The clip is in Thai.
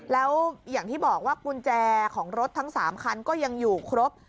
แล้วอย่างที่บอกว่ากุญแจของรถทั้ง๓คันก็ยังอยู่ครบ